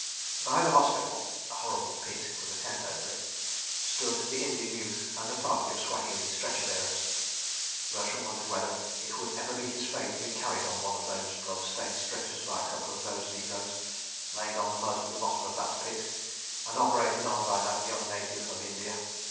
By the hospital—a horrible pit with a tent over it—stood the Indian youth and a party of Swahili stretcher bearers. Bertram wondered whether it would ever be his fate to be carried on one of those blood stained stretchers by a couple of those negroes, laid on the mud at the bottom of that pit, and operated on by that young native of India.